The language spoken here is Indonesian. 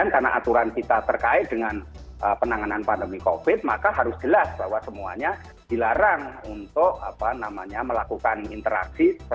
karena aturan kita terkait dengan penanganan pandemi covid maka harus jelas bahwa semuanya dilarang untuk melakukan interaksi